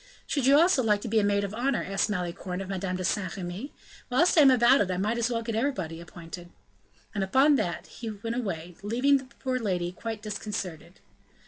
"Should you also like to be a maid of honor?" asked Malicorne of Madame de Saint Remy. "Whilst I am about it, I might as well get everybody appointed." And upon that he went away, leaving the poor lady quite disconcerted.